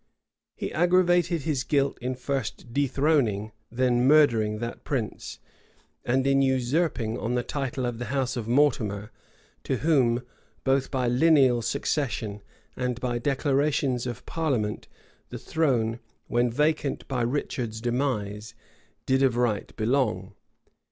He aggravated his guilt in first dethroning, then murdering that prince, and in usurping on the title of the house of Mortimer, to whom, both by lineal succession, and by declarations of parliament, the throne, when vacant by Richard's demise, did of right belong.